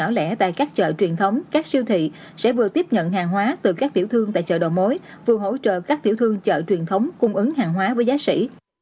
có lẽ tại các chợ truyền thống các siêu thị sẽ vừa tiếp nhận hàng hóa từ các tiểu thương tại chợ đầu mối vừa hỗ trợ các tiểu thương chợ truyền thống cung ứng hàng hóa với giá xỉ